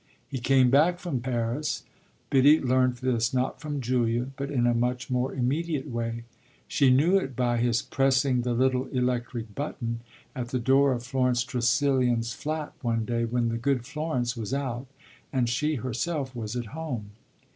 He came back from Paris Biddy learnt this not from Julia, but in a much more immediate way: she knew it by his pressing the little electric button at the door of Florence Tressilian's flat one day when the good Florence was out and she herself was at home.